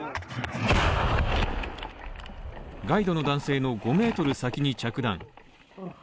ガイドの男性の５ｍ先に着弾。